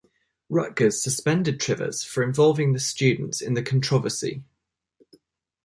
Rutgers suspended Trivers for involving the students in the controversy.